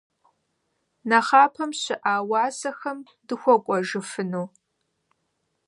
Нэхъапэм щыӏа уасэхэм дыхуэкӏуэжыфыну?